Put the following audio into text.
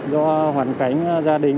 do hoàn cảnh gia đình